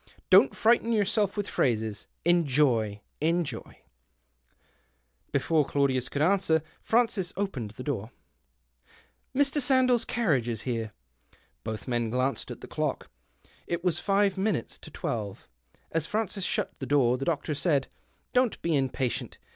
Don't frighten yourself with phrases. Enjoy ! Enjoy !" Before Claudius could answer, Francis opened the door :—" Mr. Sandell's carriage is here." Both men glanced at the clock ; it was five minutes to twelve. As Francis shut the door, the doctor said —" Don't be impatient.